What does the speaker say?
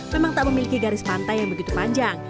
memang tak memiliki garis pantai yang begitu panjang